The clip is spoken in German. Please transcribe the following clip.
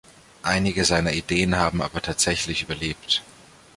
Einige seiner Ideen haben aber tatsächlich überlebt.